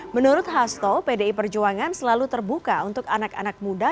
menurut hasto pdi perjuangan selalu terbuka untuk anak anak muda